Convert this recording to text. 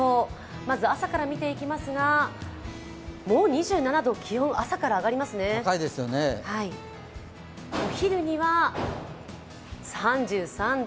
まず朝から見ていきますがもう２７度、気温朝から上がりますねお昼には、３３度。